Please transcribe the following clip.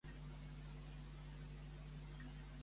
Sé de la teva estimació per mi, amic Aureli.